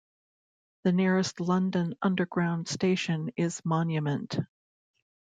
The nearest London Underground station is Monument.